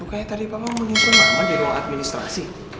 bukannya tadi papa mau menunggu lama di ruang administrasi